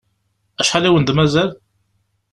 Acḥal i wen-d-mazal?